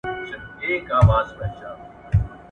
حرص او غرور ..